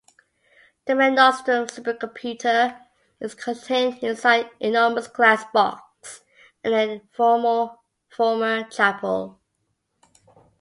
The MareNostrum supercomputer is contained inside an enormous glass box in a former chapel.